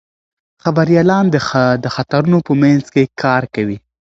خبریالان د خطرونو په منځ کې کار کوي.